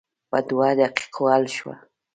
په دوه دقیقو حل شوه.